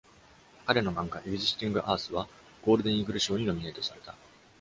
彼の漫画、「Existing Earth」はゴールデン・イーグル賞にノミネートされた。